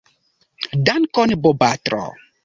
Dankon bopatro.